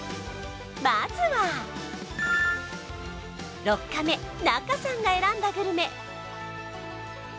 まずは６カメ中さんが選んだグルメ